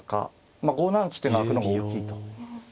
まあ５七の地点が空くのが大きいと。